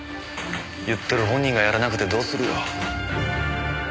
言ってる本人がやらなくてどうするよ？